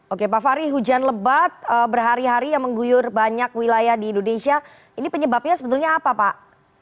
oke pak fahri hujan lebat berhari hari yang mengguyur banyak wilayah di indonesia ini penyebabnya sebetulnya apa pak